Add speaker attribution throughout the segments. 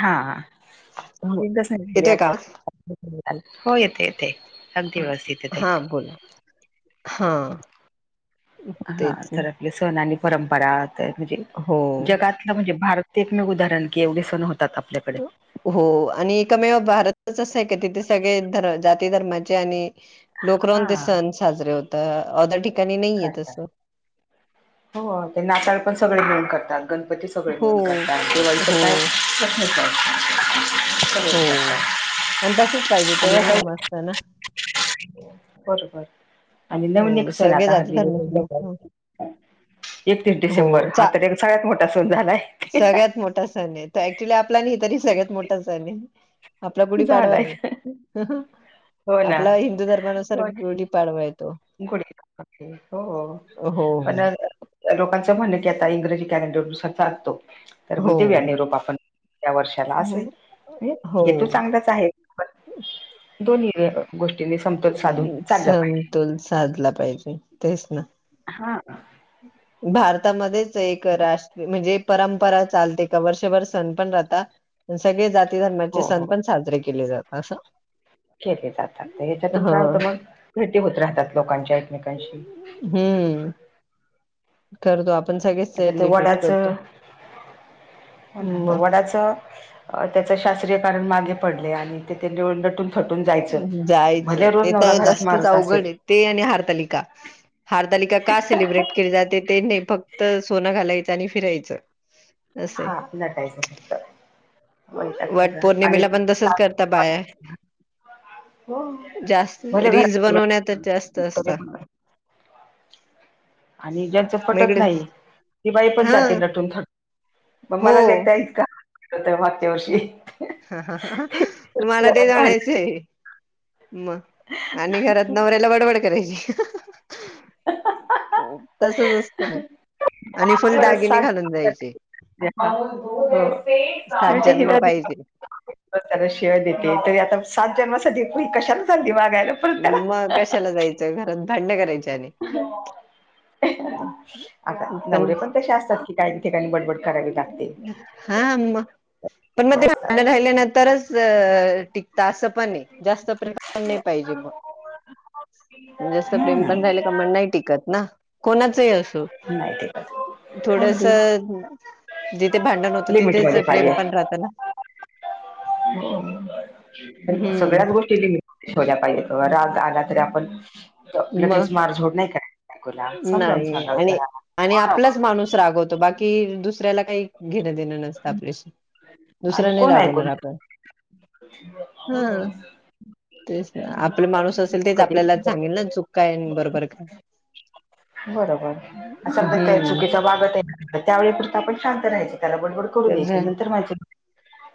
Speaker 1: हा,
Speaker 2: हो
Speaker 1: नाहीली
Speaker 2: येतोय का आवाज?
Speaker 1: होय.
Speaker 2: हा बोला, हां.
Speaker 1: हा. तर आपले सण आणि परंपरा म्हणजे
Speaker 2: हो.
Speaker 1: जगात म्हणजे भारत एकमेव उदाहरण की एवढे सण होतात आपल्याकडे.
Speaker 2: हो, आणि एकमेव भारतच अस आहे का तिथे सगळे जाती धर्माचे आणि
Speaker 1: हा
Speaker 2: लोकरन ते सण साजरे होतात. ऑ
Speaker 1: करतात. हो ते नाताल पण सगळे घेऊन करतात. गणपती सगळे
Speaker 2: हो.
Speaker 1: मिळून करतात, दिवाळी तर
Speaker 2: हो
Speaker 1: काय प्रश्नच नाही सगळे
Speaker 2: हो
Speaker 1: करतात.
Speaker 2: आणि तसेच पाहिजे,
Speaker 1: आणि
Speaker 2: तेव्हा
Speaker 1: नवीन
Speaker 2: समजतं ना.
Speaker 1: बरोबर. आणि नवीन एक
Speaker 2: हो
Speaker 1: सण
Speaker 2: सगळे
Speaker 1: आता
Speaker 2: जाती
Speaker 1: हल्ली
Speaker 2: धर्माचे लोक
Speaker 1: एकतीस
Speaker 2: हो
Speaker 1: डिसेंबर हा
Speaker 2: चा
Speaker 1: तर एक सगळ्यात मोठा सण झालाय.
Speaker 2: सगळ्यात मोठा सण आहे, तो ऍक्च्युली आपला नाही तरी सगळ्यात मोठा सण आहे. आपला गुढी पाडवा
Speaker 1: झालाय
Speaker 2: आहे.
Speaker 1: हो ना
Speaker 2: आपला हिंदू धर्मानुसार गुढी पाडवा येतो.
Speaker 1: हो हो.
Speaker 2: हो
Speaker 1: पण लोकांचं म्हणणें की आता इंग्रजी कॅलेंडर नुसार चालतो. तर मग
Speaker 2: हो
Speaker 1: दिउया निरोप आपण सरत्या वर्षाला
Speaker 2: हो
Speaker 1: असेल
Speaker 2: हो
Speaker 1: हेतु चांगलाच आहे. दोन्ही गोष्टींनी समतोल साधून चाललं पाहिजे.
Speaker 2: तोल साधला पाहिजे. तेच ना.
Speaker 1: हा.
Speaker 2: भारतामध्येच एक राष्ट्र म्हणजे परंपरा चालते, का वर्षभर सण पण राहता, सगळे जाती धर्माचे
Speaker 1: हो हो
Speaker 2: सण पण साजरे केले जातात असं,
Speaker 1: केले जातात, याच्यातून
Speaker 2: ह
Speaker 1: काय होतं मग भेटी होत राहतात लोकांच्या एकमेकांशी.
Speaker 2: हम्म. करतो, आपण सगळेच
Speaker 1: आता ते
Speaker 2: सेलिब्रेट
Speaker 1: वडाचं
Speaker 2: करतो.
Speaker 1: हो
Speaker 2: मग
Speaker 1: वडाचऽ शास्त्रीय कारण मागे पडलय, आणि ते त्यां उलटून फटून जायचं,
Speaker 2: जायचं
Speaker 1: भले रोज
Speaker 2: ते
Speaker 1: नवरा
Speaker 2: तर
Speaker 1: घरात
Speaker 2: जास्तच
Speaker 1: मारत असेल,
Speaker 2: ते आणि हारतालिका. हारतलिका का सेलिब्रेट केली जाते ते, फक्त सोनं घालायचं आणि फिरायचं. असं आहे
Speaker 1: हा, नटायचं फक्त. वैताग
Speaker 2: वट
Speaker 1: सगळा, आणि
Speaker 2: पौर्णिमेला पण तसच करता बाया
Speaker 1: [unintelligible] हो भले घर
Speaker 2: बनवन्यातच जास्त असतात.
Speaker 1: आणि ज्यांचं
Speaker 2: मग
Speaker 1: पटत
Speaker 2: इकडे
Speaker 1: नाही, ती बाई पण
Speaker 2: हा
Speaker 1: जाते नटूनथट
Speaker 2: हो
Speaker 1: मलाच एकटा इत का, मागच्या वर्षी.
Speaker 2: हहह. मला ते
Speaker 1: भांडण
Speaker 2: जाणायचं आहे. मग आणि घरात नवऱ्याला बडबड करायची. तसच असतं ना आणि फुल
Speaker 1: परत
Speaker 2: दागिने
Speaker 1: सात
Speaker 2: घालून जायचे.
Speaker 1: [unintelligible]
Speaker 2: सात जन्म पाहिजे
Speaker 1: त्याला शेवाय देते तरी आता सात जन्मास कशाला चा वाघायला परत त्याला.
Speaker 2: मग कशाला जायच. घरात भांडन करायची आणि
Speaker 1: आता नवरे पण तसे असतात की काही ठिकाणी बडबड करावे
Speaker 2: हा पण मग ते [unintelligible] राहिल्या नंतरच आस पण आहे जास्त नाही [unintelligible] पाहिजे मग जास्त प्रेम पण
Speaker 1: हम्म
Speaker 2: राहिले की मण नाही टिकत ना आहे असो.
Speaker 1: माहिती का अगदी.
Speaker 2: [inaudible] जिथे भांडण होतं तिथेच
Speaker 1: मध्ये
Speaker 2: प्रेम पण
Speaker 1: पाहिजे
Speaker 2: राहतं ना. हम्म
Speaker 1: सगळ्याच गोष्टीेत छोल्या पाहिजेत आला तरी आपण.
Speaker 2: मग
Speaker 1: लगेच मार झोड नाही कराय बायकोला समजावून
Speaker 2: नाही
Speaker 1: सांगाल
Speaker 2: आणि
Speaker 1: जरा
Speaker 2: आणि आपलाच माणूस रागवतो बाकी दुसऱ्याला काही. घेणं देणं नसत आपल्याशी
Speaker 1: आणि
Speaker 2: दुसरा नाही
Speaker 1: कोण
Speaker 2: रागवणार
Speaker 1: ऐकून
Speaker 2: आपण हा तेच आपले माणूस असेल तेच
Speaker 1: कधी
Speaker 2: आपल्याला सांगेल ना चुक काय बरोबर काय.
Speaker 1: बरोबर असंल तर त्या
Speaker 2: हम्म
Speaker 1: चुकीचा वागत त्यावेळी पुरता आपण शांत राहायच त्याला बडबड करू द्यायाचि
Speaker 2: तर
Speaker 1: नंतर म्हणायचं,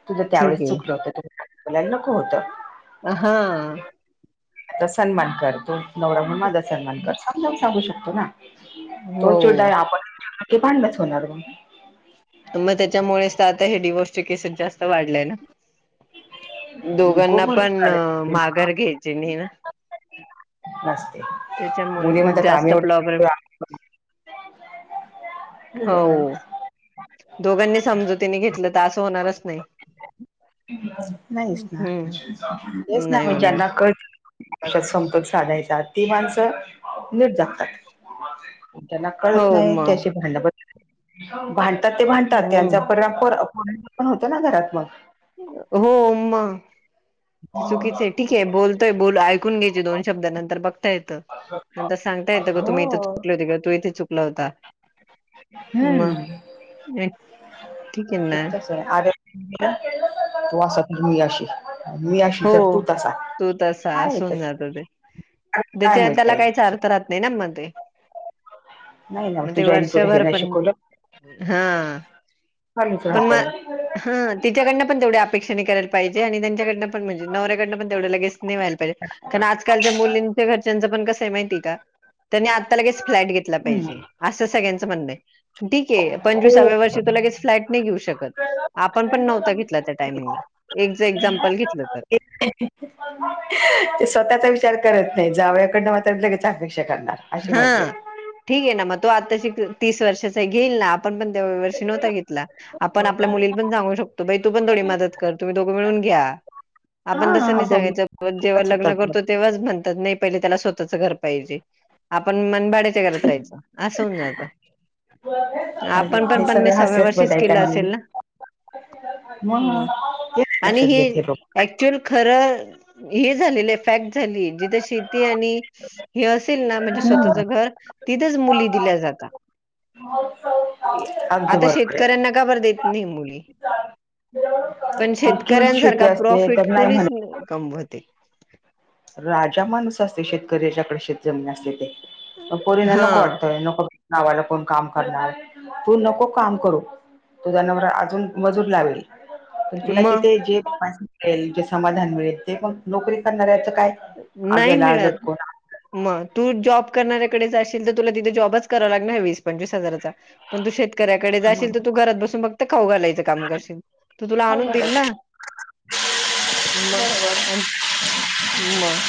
Speaker 1: तुझ
Speaker 2: ठीक
Speaker 1: त्यावेळेस चुकलं
Speaker 2: आहे
Speaker 1: होतंला नको होतं.
Speaker 2: अ हा
Speaker 1: तर सन्मान कर तू नवरा [unintelligible] माझा सन्मान कर समजावून सांगू शकतो ना.
Speaker 2: हो
Speaker 1: [inaudible]
Speaker 2: मग त्याच्यामुळेच तर आता हे डिव्होर्स चे केसेस वाढलय ना.
Speaker 1: इगो
Speaker 2: दोघांना पण
Speaker 1: भरपूर आले
Speaker 2: माघार घ्यायचे नाही ना.
Speaker 1: नसते
Speaker 2: त्याच्यामुळे
Speaker 1: मुली म्हण आम्ही
Speaker 2: जास्त प्रॉब्लेम
Speaker 1: एवढ
Speaker 2: होव, दोघांनी समजूतीने घेतलं तर असं होणारच नाही.
Speaker 1: नाहीच ना,
Speaker 2: हम्म
Speaker 1: तेच ना
Speaker 2: नाही
Speaker 1: म
Speaker 2: होणार
Speaker 1: ज्यांना कळत कशात संपर्क साधायचा ती माणसं निट जगतात. त्यांना
Speaker 2: हो
Speaker 1: कळत नाही,
Speaker 2: मग
Speaker 1: त्याअशी भांडा भां भांडतात ते भांडतात त्यांचा
Speaker 2: हम्म
Speaker 1: परिणाम पोर पण होत ना घरात मग
Speaker 2: हो, म ते चुकीच आहे ठीक आहे बोल ते बोल ऐकून घ्यायचे दोन शब्दानंतर बघता येत नंतर सांगता येतं का तुम्ही इथ चुकले होते किं तू इथे चुकला होता. म
Speaker 1: हम्म
Speaker 2: हे ठीक आहे ना.
Speaker 1: [unintelligible] मी अशी
Speaker 2: हो
Speaker 1: तर तू तसा
Speaker 2: तू तसा
Speaker 1: काय
Speaker 2: असून
Speaker 1: याच्यात
Speaker 2: जात ते.
Speaker 1: काय
Speaker 2: त्याच्या त्याला
Speaker 1: मिळतय
Speaker 2: काहीच अर्थ राहत नाही ना म ते.
Speaker 1: नाही ना
Speaker 2: म ते,
Speaker 1: तुझ्या आईने तुला हे
Speaker 2: वर्षभर
Speaker 1: नाही
Speaker 2: पण
Speaker 1: शिकवलं
Speaker 2: हा.
Speaker 1: खालीच
Speaker 2: पण
Speaker 1: राहते.
Speaker 2: मग हा तिच्याकडन पण तेवढ्या अपेक्षेने करायला पाहिजे आणि त्यांच्याकडन म्हणजे नवऱ्याकडनं पण तेवढं लगेच नाही व्हायला पाहिजे, कारण आजकालच्या मुलींच्या घरच्यांच पण कसं माहितीय का त्यांनी आता लगेच फ्लॅट घेतला
Speaker 1: हम्म.
Speaker 2: पाहिजे, असं सगळ्यांचं म्हणणं ये. ठीक ये,
Speaker 1: हो
Speaker 2: पंचवीसाव्या वर्षी तो लगेच फ्लॅट नाही घेऊ शकत. आपण पण नव्हता घेतला त्या टाईमींला एक जे एक्झाम्पल घेतलं. तर
Speaker 1: एक ते स्वतःचा विचार करत नाही, जावयाकडनं मात्र लगेच अपेक्षा करणार अशी मजा
Speaker 2: हा
Speaker 1: आहे.
Speaker 2: ठीक ये, ना मग तो आताशी तीस वर्षाचा आहे घेईल ना आपण पण त्याव वर्षी नव्हता घेतला. आपण आपल्या मुलीला पण सांगू शकतो, बाई तू पण थोडी मदत कर तुम्ही दोघं मिळून घ्या. आपण तसं
Speaker 1: हा
Speaker 2: नाही
Speaker 1: दोघी
Speaker 2: सांगायच जेव्हा लग्न
Speaker 1: सुटतात मग.
Speaker 2: करतो तेव्हाच म्हणतात, नाही पहिले त्याला स्वतःच घर पाहिजे. आपण मन भाड्याच्या घरात राहायचं असं होऊन जातं.
Speaker 1: आणि
Speaker 2: आपण पण
Speaker 1: हे सगळं
Speaker 2: पन्नासाव्या
Speaker 1: हास्यास्पद
Speaker 2: वर्षीच
Speaker 1: आहे
Speaker 2: केलं
Speaker 1: त्यांनी
Speaker 2: असेल ना.
Speaker 1: मग
Speaker 2: म
Speaker 1: हे नाही
Speaker 2: आणि
Speaker 1: लक्षात
Speaker 2: हे
Speaker 1: घेत लोक
Speaker 2: ऍक्च्युअल खरं हे झालेलं ये फॅक्ट झालीये जिथे शेती आणि हे, असेल ना म्हणजे स्वतःच
Speaker 1: हम्म.
Speaker 2: घर तिथेच दिल्या मुली जाता,
Speaker 1: अगदी
Speaker 2: आता शेत
Speaker 1: बरोबर आहे.
Speaker 2: कऱ्यांना काबर देत नाही मुली? पण
Speaker 1: एकेरी शेती
Speaker 2: शेतकऱ्यांसारखा
Speaker 1: असते
Speaker 2: प्रॉफिट
Speaker 1: तर नाही
Speaker 2: कोणीच
Speaker 1: म्हणत
Speaker 2: न कमवते.
Speaker 1: राजा माणूस असते, शेतकरी ज्याच्याकडे शेत जमीन असते ते पोरीना
Speaker 2: हा
Speaker 1: नको वाटत नको. गावाला कोण काम करणार तू नको काम करू तुझा नवरा अजून मजूर लावेल. पण तुला
Speaker 2: मग
Speaker 1: तिथे जे समाधान जे समाधान मिळेल ते पण नोकरी करणाऱ्याचं काय.
Speaker 2: नाही
Speaker 1: गेला
Speaker 2: मिळत
Speaker 1: लटकून
Speaker 2: मग तू जॉब करणाऱ्याकडेच जाशील तर तुला तिथे जॉबच कराव लागणार वीस पंचवीस हजाराचा. पण तो शेत कऱ्याकडे जाशील तर तू घरात बसून फक्त खाऊ घालायचं काम करशील तो तुला
Speaker 1: अवघड
Speaker 2: आणून देईल
Speaker 1: आहे.
Speaker 2: ना.
Speaker 1: बरोबर [unintelligible]
Speaker 2: म.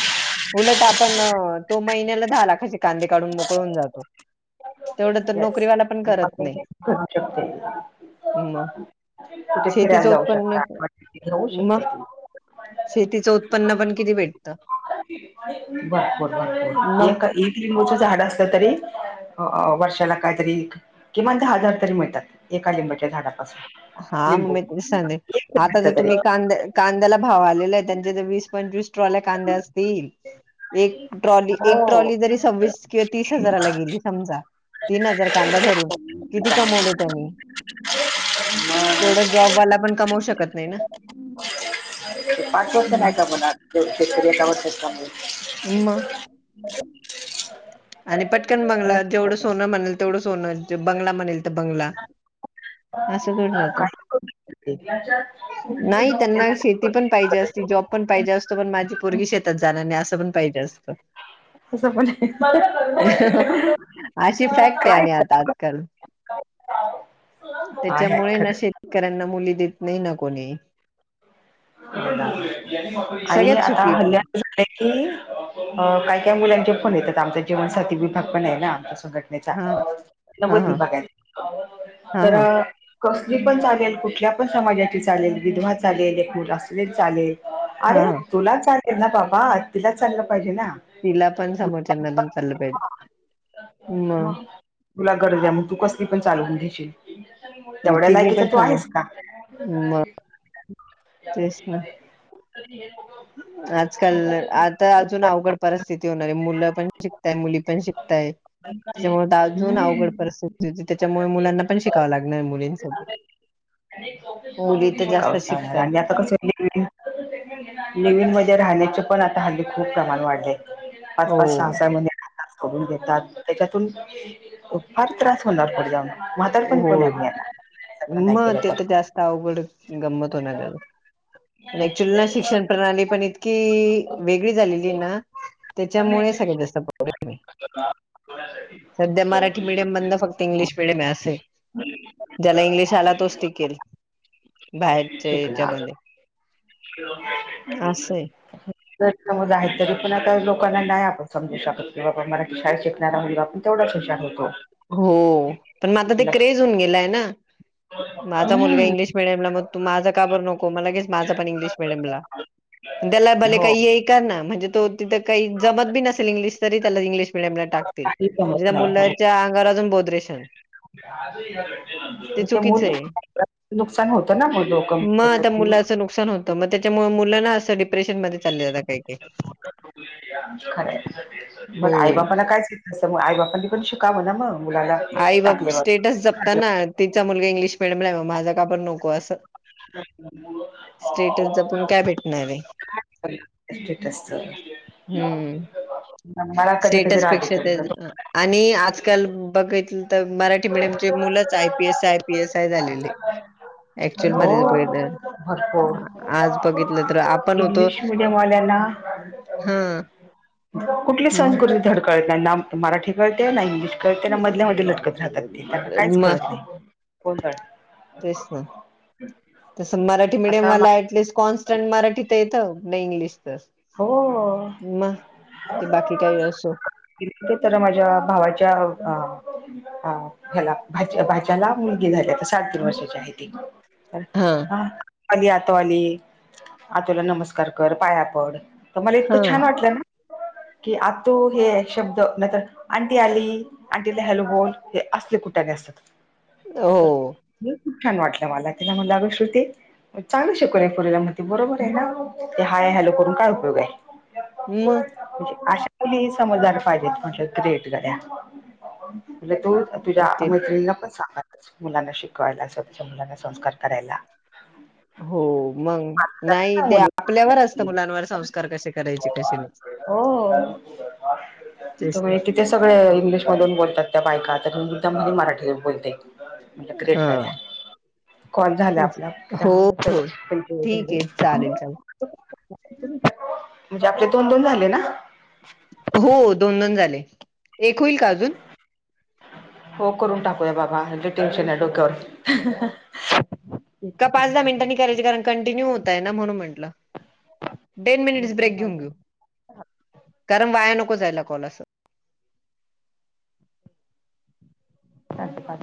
Speaker 2: उलट आपण अ तो महिन्याला दहा लाखाचे कांदे काढून मोकळा होऊन जातो. तेवढं तर नोकरीवाला पण
Speaker 1: [inaudible]
Speaker 2: करत नाही मग
Speaker 1: तिथे फिरायला
Speaker 2: शेतीचं
Speaker 1: जाऊ
Speaker 2: उत्पन्न मग
Speaker 1: शकता, [unintelligible]
Speaker 2: शेतीचं उत्पन्न पण किती भेट?
Speaker 1: भरपूर भरपूर
Speaker 2: मग
Speaker 1: एक [unintelligible] लिंबूच झाड असलं तरी, अं वर्षाला काहीतरी किमान दहा हजार तरी मिळतात. एका लिंबाच्या झाडापासून.
Speaker 2: हा मग
Speaker 1: लिंबू
Speaker 2: मी ते सांगे,
Speaker 1: एक
Speaker 2: आता जर
Speaker 1: लिंबाचं तरी
Speaker 2: तुम्ही कांद्या कांद्याला भाव आलेला आहे, त्यांच्या जर वीस, पंचवीस ट्रॉल्या कांद्या असतील एक ट्रॉली एक
Speaker 1: हो
Speaker 2: ट्रॉली जरी सव्वीस किंवा तीस हजाराला गेली समजा तीन हजार कांदा धरून किती
Speaker 1: मग
Speaker 2: कमवले त्यांनी?
Speaker 1: [inaudible]
Speaker 2: तेवढं जॉबवाला पण कमावू शकत नाही ना.
Speaker 1: ते पाठवते नाही
Speaker 2: हम्म.
Speaker 1: का मला
Speaker 2: मग
Speaker 1: [unintelligible]
Speaker 2: आणि पटकन बंगला, जेवढं
Speaker 1: काय
Speaker 2: सोनं म्हणेल तेवढं सोनं, बंगला म्हणेल तर बंगला असं पण राहत.
Speaker 1: काय करू
Speaker 2: नाही त्यांना शेती पण पाहिजे असते ती जॉब पण पाहिजे असतो, पण माझी पोरगी शेतात जाणार नाही, असं पण पाहिजे असतं.
Speaker 1: [unintelligible]
Speaker 2: अशी फॅक्ट आहे
Speaker 1: काय
Speaker 2: आणि
Speaker 1: कर
Speaker 2: आता आजकाल.
Speaker 1: आहे
Speaker 2: त्याच्यामुळे ना
Speaker 1: खरं
Speaker 2: शेतकऱ्यांना मुली देत नाही ना कोणी.
Speaker 1: आणि
Speaker 2: सगळ्यात
Speaker 1: आता
Speaker 2: सुखी
Speaker 1: हल्ल्या
Speaker 2: पण
Speaker 1: [unintelligible] की, अं काय काय मुलांचे फोन येतात. आमच्या जीवनसाथी विभाग पण आहे ना आमच्यासोबत.
Speaker 2: हा हा हा हा हा
Speaker 1: [unintelligible] कसली पण चालेल, कुठल्या पण समाजाची चालेल, विधवा चालेल, एकमठ असलेली चालेल
Speaker 2: हा
Speaker 1: अरे,
Speaker 2: हा
Speaker 1: तुला चालेल ना बाबा तिला चालल
Speaker 2: तिला पण, समोरच्यांना पण चाललं पाहिजे, मग.
Speaker 1: तुला गरज आहे मग, तू कसली पण चालवून घेशील. तेवढ्या
Speaker 2: तिने
Speaker 1: लायकीचा
Speaker 2: पण
Speaker 1: तू
Speaker 2: समोर
Speaker 1: आहेस का?
Speaker 2: [unintelligible]
Speaker 1: या
Speaker 2: तेच
Speaker 1: गोष्टीमध्ये
Speaker 2: ना
Speaker 1: [unintelligible]
Speaker 2: आजकाल आता अजून अवघड परिस्थिती होणार आहे. मुलं पण शिकताय, मुली पण
Speaker 1: शिकावंच
Speaker 2: शिकताय. त्याच्यामुळे अजून अवघड परिस्थिती होती. त्याच्यामुळे मुलांना पण शिकावं लागणार मुलीं सोबत. जास्त
Speaker 1: शिकावच लागणार
Speaker 2: शिकताय
Speaker 1: आणि आता कसं लिव्हिंगमध्ये राहण्याचे पण आता हल्ली खूप प्रमाण वाढले. पाच,
Speaker 2: हो
Speaker 1: पाच, सहा, सहा महिने करून घेतात, त्याच्यातून फार त्रास होणार पुढं जाऊन. म्हातारपणी पण
Speaker 2: होय,
Speaker 1: आम्ही येणार. तसं नाही
Speaker 2: मग
Speaker 1: केलं तर
Speaker 2: तेेत जास्त आवघडे. गंमत होणारे [unintelligible] ऍक्च्युली ना शिक्षण प्रणाली पण इतकी वेगळी झालेली आहे ना, त्याच्यामुळे [unintelligible]
Speaker 1: कोणासाठी?
Speaker 2: सध्या मराठी मिडियम बंद. फक्त इंग्लिश मिडयमे असय.
Speaker 1: [unintelligible]
Speaker 2: ज्याला इंग्लिश आला तोच टिकेल बाहेरच्या
Speaker 1: शिकणार.
Speaker 2: हेच्यामध्ये
Speaker 1: [unintelligible]
Speaker 2: असय.
Speaker 1: जर समज आहे तरी पण आता लोकांना नाही आपण समजू शकत की बाबा मरा शाळेत शिकणारा मुलगा पण तेवढ्याच हुशार होतो. [unintelligible]
Speaker 2: जून गेलाय ना माझा मुलगा
Speaker 1: हम्म
Speaker 2: इंग्लिश मीडियम ला मग तो माझा का बरं नको म लगेच माझ पण इंग्लिश मिडीयमला त्याला पण भले
Speaker 1: हो
Speaker 2: काही येय का ना म्हणजे तो तिथं काही जमत बी नसेल इंग्लिश तरी त्याला इंग्लिश मीडियम ला टाकतील
Speaker 1: काही
Speaker 2: म्हणजे
Speaker 1: जमत
Speaker 2: त्या
Speaker 1: नाही हो.
Speaker 2: मुलांच्या अंगावर अजून बोदरेशण. आहे
Speaker 1: [unintelligible] नुकसान होतं [unintelligible]
Speaker 2: मग
Speaker 1: त्याचा
Speaker 2: त्या मुलाचं नुकसान होतं. तर म त्याच्यामुळे मुलं ना असं डिप्रेशन मध्ये चाललं जाता काही काही.
Speaker 1: खरं आहे
Speaker 2: हो
Speaker 1: मग आई बापाला कायच [inaudible] आई बापाली पण शिकावं म्हणावं म.
Speaker 2: आई बाप स्टेटस जपताना तिचा मुलगा इंग्लिश मिडीयम ला मग माझं का पण नको असं.
Speaker 1: [unintelligible]
Speaker 2: स्टेटस जपून काय भेटणार आहे?
Speaker 1: [unintelligible] स्टेटसच्या.
Speaker 2: हम्म
Speaker 1: नांगाडा कधी-कधी
Speaker 2: स्टेटस पेक्षा
Speaker 1: राहते.
Speaker 2: त्या
Speaker 1: [unintelligible]
Speaker 2: आणि आजकाल [unintelligible] बघितलं तर मराठी मिडियमचे मुलंच I P S I P S I झालेले. ऍक्च्युअल
Speaker 1: हो
Speaker 2: मध्ये बघितलं
Speaker 1: भरपूर
Speaker 2: आज बघितलं तर आपण होतो.
Speaker 1: इंग्लिश मिडियम वाल्यांना
Speaker 2: हा.
Speaker 1: कुठली
Speaker 2: मग
Speaker 1: संकृती धडकळत नाही ना मराठी कळते ना इंग्लिश कळते ना मधल्या मध्ये लटकत राहतात ते त्यांना काहीच
Speaker 2: मग
Speaker 1: कळत नाही कोण
Speaker 2: तेच ना तसं मराठी मिडियम
Speaker 1: आता मा
Speaker 2: वाला ऍटलिस्ट कॉन्स्टंट मराठी तर येतं नाही इंग्लिश तर.
Speaker 1: हो
Speaker 2: म ते बाकी काय असो.
Speaker 1: [unintelligible] तर माझ्या भावाच्या अ हा ह्याला भाच्या भाच्याला मुलगी झाली आता साडे तीन वर्षाची आहे ती.
Speaker 2: हा
Speaker 1: आली आतो आली आतोला नमस्कार कर पाया पड. तर मला
Speaker 2: हा
Speaker 1: इतकं छान वाटलंय ना की आतू हे शब्द नाहीतर आणंटी आली आणंटीला हॅलो बोल हे असले कुठ्या गं असतात.
Speaker 2: हो.
Speaker 1: तर हे खूप छान वाटलं मला त्याला म्हटलं अगं श्रुती चांगू शिकूवला आहे पोरीला म ते बरोबर आहे ना ते हाय हॅलो करून काय पयोग आहे
Speaker 2: मग
Speaker 1: म्हणजे अशा तेलही समजला गं पाहिजेत [unintelligible] ग्रेट. [unintelligible] तुला तोच तुझ्या
Speaker 2: ते
Speaker 1: मैत्रिणीना पण सांगातच मुलांना शिक कवायला स्वच्छ मुलांना संस्कार करायला.
Speaker 2: हो मंग नाही ते आपल्यावर असतं मुलांवर संस्कार कशे करायचे कशे नाही
Speaker 1: हो
Speaker 2: तेच ना.
Speaker 1: ते सगळे इंग्लिश मधून बोलतात त्या बायका तर [unintelligible] त्यामध्ये मराठी बोलते. म्हणलं ग्रेड
Speaker 2: हा
Speaker 1: गायस. कॉल झाला
Speaker 2: तेच
Speaker 1: आपल्या
Speaker 2: हो
Speaker 1: दहा [unintelligible]
Speaker 2: हो ठीक
Speaker 1: झाले.
Speaker 2: आहे चालेल चालेल
Speaker 1: म्हणजे आपले दोन-दोन झाले ना?
Speaker 2: हो दोन-दोन झाले, एक होईल का अजून?
Speaker 1: हो करून टाकूया बाबा [unintelligible] टेन्शन आहे डोक्यावर.
Speaker 2: का
Speaker 1: एक करून
Speaker 2: पाच-दहा
Speaker 1: टाकू
Speaker 2: मिनटांनी करायचे कारण कंटिन्यू होतय ना म्हणून म्हंटलं. टेन
Speaker 1: नाही
Speaker 2: मिनिटच
Speaker 1: करू
Speaker 2: ब्रेक
Speaker 1: पाच
Speaker 2: घेऊन
Speaker 1: जण
Speaker 2: घेऊ. कारण वाया नको जायला कॉल अस.
Speaker 1: चालते.